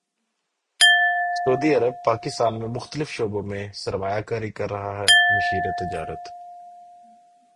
سعودی عرب پاکستان میں مختلف شعبوں میں سرمایہ کاری کر رہا ہے مشیر تجارت